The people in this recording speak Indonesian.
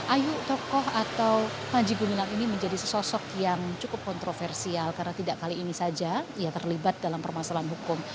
ayu tokoh atau panji gumilang ini menjadi sesosok yang cukup kontroversial karena tidak kali ini saja ia terlibat dalam permasalahan hukum